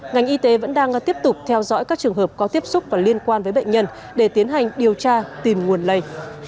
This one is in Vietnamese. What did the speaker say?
ngành y tế vẫn đang tiếp tục theo dõi các trường hợp có tiếp xúc và liên quan với bệnh nhân để tiến hành điều tra tìm nguồn lây